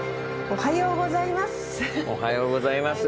おはようございます。